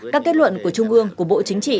các kết luận của trung ương của bộ chính trị